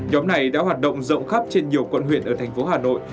nhóm này đã hoạt động rộng khắp trên nhiều quận huyện ở tp hà nội